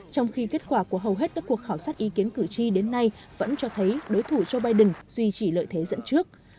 trong khi kết quả của hầu hết các cuộc khảo sát ý kiến cử tri đến nay vẫn cho thấy đối thủ joe biden duy trì lợi thế dẫn trước